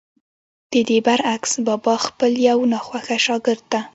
ددې برعکس بابا خپل يو ناخوښه شاګرد ته